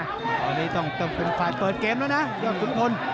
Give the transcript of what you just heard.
ตอนนี้ต้องเป็นฝ่ายเปิดเกมแล้วนะยอดขุนพล